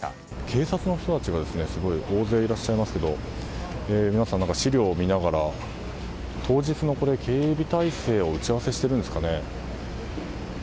警察の人たちがすごい大勢いらっしゃいますけど皆さん、資料を見ながら当日の警備態勢を打ち合わせしているんですかね。